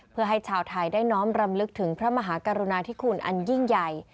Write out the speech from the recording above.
เพื่อให้ชาวไทยได้น้อมรำลึกถึงพระมหากรุณาธิคุณอันยิ่งใหญ่